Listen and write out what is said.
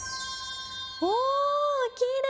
おきれい。